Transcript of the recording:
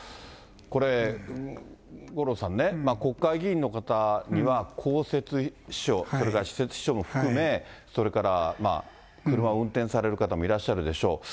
これ、五郎さんね、国会議員の方には公設秘書、それから私設秘書も含め、それから車を運転される方もいらっしゃるでしょう。